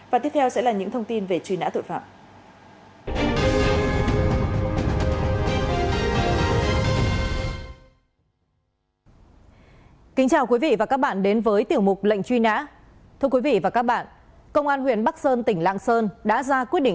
và tiếp theo sẽ là những bài hỏi của các đối tượng phá rừng